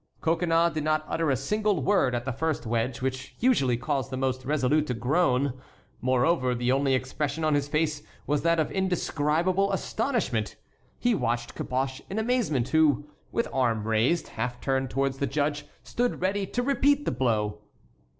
Coconnas did not utter a single word at the first wedge, which usually caused the most resolute to groan. Moreover, the only expression on his face was that of indescribable astonishment. He watched Caboche in amazement, who, with arm raised, half turned towards the judge, stood ready to repeat the blow.